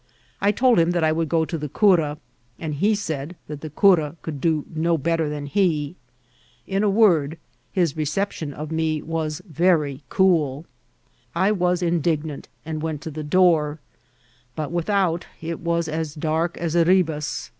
I told him that I would go to the cura, and he said that the cura could do no better than he. In a wcvd, his reception of me was very cool. I was mdignant, and went to the door, but without it was dark as Erebus.